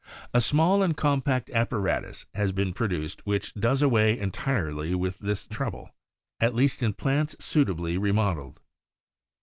A small and compact apparatus has been produced which does 'away entirely with this trouble, at least in plants suitably remodelled.